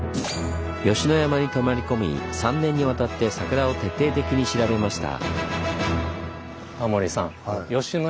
吉野山に泊まり込み３年にわたって桜を徹底的に調べました。